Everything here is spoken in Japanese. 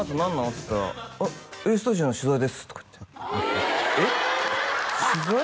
つったら「Ａ−ＳＴＵＤＩＯ＋の取材です」とかいって「えっ？取材？」